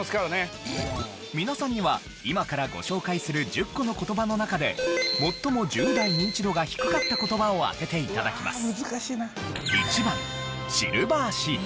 皆さんには今からご紹介する１０個の言葉の中で最も１０代ニンチドが低かった言葉を当てて頂きます。